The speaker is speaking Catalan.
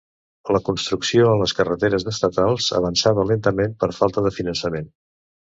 La construcció a les carreteres estatals avançava lentament per falta de finançament.